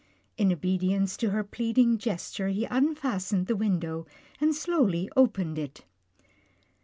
In obedience to her pleading gesture he unfas tened the window and slowly opened it.